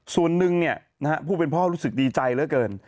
ส่วนหนึ่งผู้เป็นพ่อรู้สึกดีใจเหลือเกิน